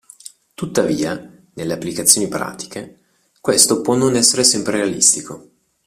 Tuttavia, nelle applicazioni pratiche, questo può non essere sempre realistico.